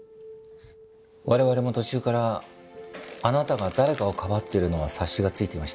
我々も途中からあなたが誰かをかばっているのは察しがついていました。